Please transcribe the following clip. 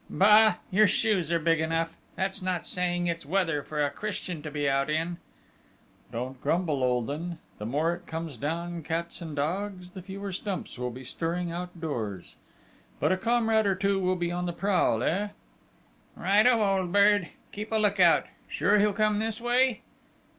"Bah! Your shoes are big enough. That's not saying it's weather for a Christian to be out in!" "Don't you grumble, old 'un! The more it comes down cats and dogs, the fewer stumps will be stirring out doors!... But a comrade or two will be on the prowl, eh?" "Right o, old bird!... Keep a lookout!... Sure he'll come this way?"